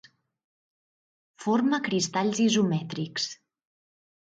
Forma cristalls isomètrics.